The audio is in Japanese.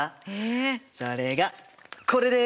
それがこれです！